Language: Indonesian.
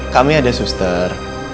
kami ada suster